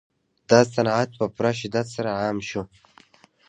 دا صنعت په پوره شدت سره عام شو